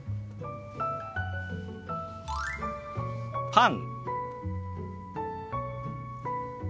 「パン」。